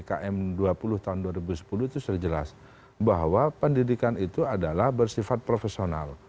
km dua puluh tahun dua ribu sepuluh itu sudah jelas bahwa pendidikan itu adalah bersifat profesional